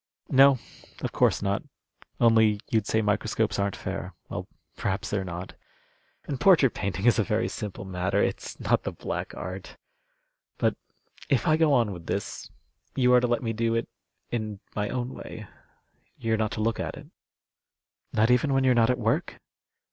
"No, of course not. Only you'd say microscopes aren't fair. Well, perhaps they're not. And portrait painting is a very simple matter. It's not the black art. But if I go on with this, you are to let me do it in my own way. You're not to look at it." "Not even when you're not at work?"